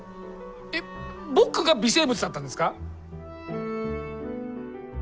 えっ僕が微生物だったんですか？